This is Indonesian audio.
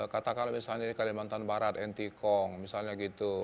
katakanlah misalnya di kalimantan barat ntkong misalnya gitu